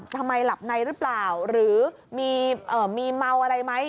ทำไมหลับในหรือเปล่าหรือมีเมาอะไรไหม